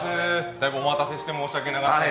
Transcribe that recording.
だいぶお待たせして申し訳なかったです。